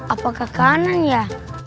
atau ke kanan ya